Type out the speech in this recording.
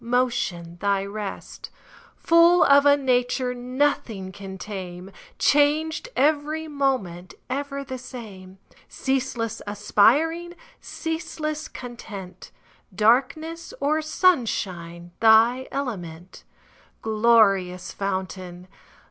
Motion thy rest; Full of a nature Nothing can tame, Changed every moment, Ever the same; Ceaseless aspiring, Ceaseless content, Darkness or sunshine Thy element; Glorious fountain.